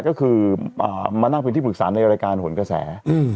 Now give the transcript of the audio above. ก็คือมานั่งเป็นที่ปรึกษาในรายการหนกระแส